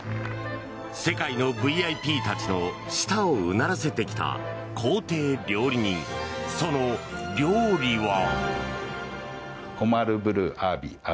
世界のＶＩＰたちの舌をうならせてきた公邸料理人その料理は。